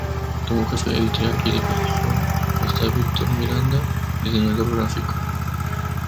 Como Jefe editorial y de producción está Victor Miranda, Diseñador Gráfico.